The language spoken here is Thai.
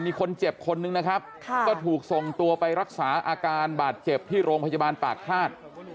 มีคนเจ็บคนนึงนะครับก็ถูกส่งตัวไปรักษาอาการบาดเจ็บที่โรงพยาบาลปากฆาต